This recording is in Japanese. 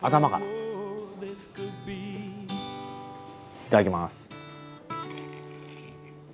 いただきます。